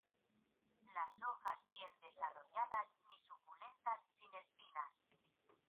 Las hojas bien desarrolladas, no suculentas, sin espinas.